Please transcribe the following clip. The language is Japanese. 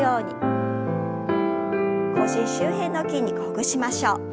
腰周辺の筋肉ほぐしましょう。